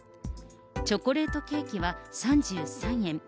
チョコレートケーキは３３円。